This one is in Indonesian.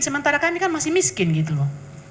sementara kami kan masih miskin gitu loh